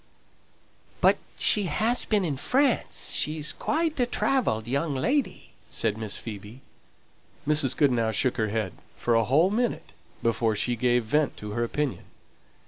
"But she has been in France; she's quite a travelled young lady," said Miss Phoebe. Mrs. Goodenough shook her head for a whole minute before she gave vent to her opinion.